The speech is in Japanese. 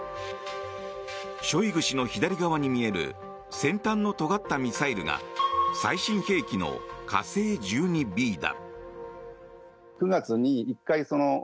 ショイグ氏の左側に見える先端のとがったミサイルが最新兵器の火星１２Ｂだ。